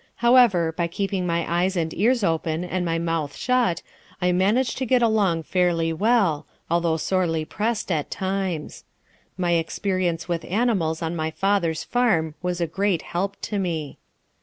However, by keeping my eyes and ears open and my mouth shut, I managed to get along fairly well, although sorely pressed at times. My experience with animals on my father's farm was a great help to me.